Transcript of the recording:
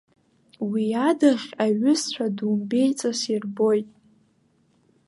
Уи адаӷь аҩызцәа думбеиҵас ирбоит.